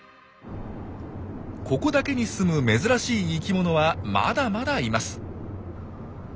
ここだけにすむ珍しい生きものはまだまだいます。